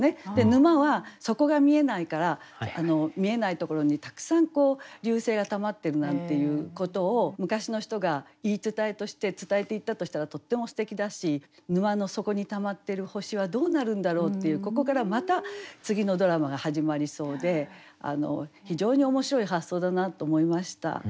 沼は底が見えないから見えないところにたくさん流星がたまってるなんていうことを昔の人が言い伝えとして伝えていったとしたらとってもすてきだし沼の底にたまってる星はどうなるんだろうっていうここからまた次のドラマが始まりそうで非常に面白い発想だなと思いました。